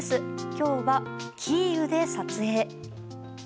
今日はキーウで撮影。